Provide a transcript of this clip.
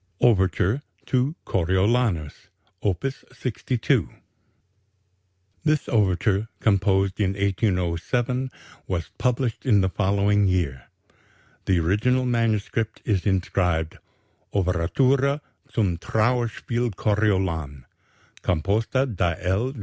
OVERTURE TO "CORIOLANUS": Op. 62 This overture, composed in 1807, was published in the following year. The original manuscript is inscribed: "_Overtura (Zum Trauerspiel Coriolan), composta da L.